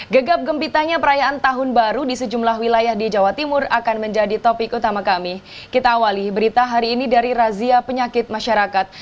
gegap gempitanya perayaan tahun baru di sejumlah wilayah di jawa timur akan menjadi topik utama kami kita awali berita hari ini dari razia penyakit masyarakat